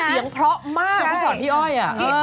เสียงเพราะมากพี่ชอตพี่อ้อย